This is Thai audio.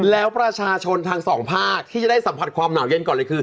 แล้วประชาชนทางสองภาคที่จะได้สัมผัสความหนาวเย็นก่อนเลยคือ